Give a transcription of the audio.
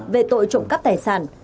về tội trộm cắp tài sản